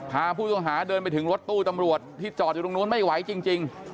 พาผู้ต้องหาเดินไปถึงรถตู้ตำรวจที่จอดอยู่ตรงนู้นไม่ไหวจริง